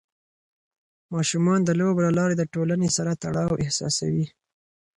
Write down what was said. ماشومان د لوبو له لارې د ټولنې سره تړاو احساسوي.